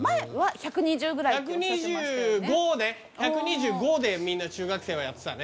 １２５ね１２５でみんな中学生はやってたね